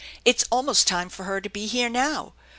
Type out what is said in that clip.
It's almost time for her to be here now.